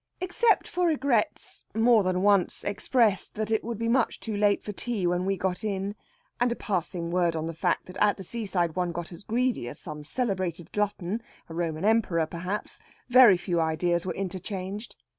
Except for regrets, more than once expressed, that it would be much too late for tea when we got in, and a passing word on the fact that at the seaside one got as greedy as some celebrated glutton a Roman emperor, perhaps very few ideas were interchanged.